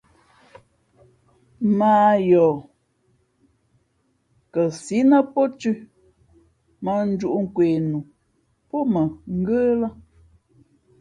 Mᾱ a yoh kαsǐ nά pó thʉ̄ mᾱ njūʼ kwe nu pó mα ngə́ lά.